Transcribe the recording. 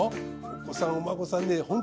お子さんお孫さん